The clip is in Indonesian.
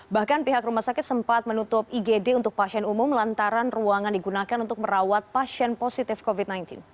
bahkan pihak rumah sakit sempat menutup igd untuk pasien umum lantaran ruangan digunakan untuk merawat pasien positif covid sembilan belas